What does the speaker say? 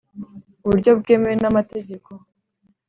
uburyo bwemewe n amategeko